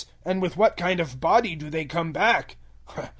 And with what kind of body do they come back?"